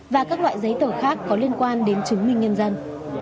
và các loại giấy tờ khác có liên quan đến chứng minh nhân dân